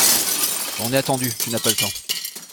On est attendu, tu n’as pas le temps.